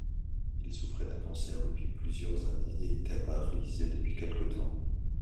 Il souffrait d’un cancer depuis plusieurs années et était paralysé depuis quelque temps.